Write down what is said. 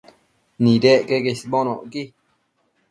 Nidec queque isbonocqui